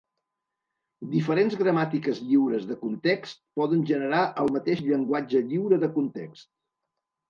Diferents gramàtiques lliures de context poden generar el mateix llenguatge lliure de context.